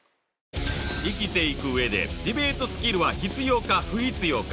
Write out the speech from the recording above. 「生きていく上でディベートスキルは必要か不必要か」